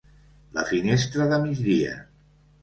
La finestra de migdia.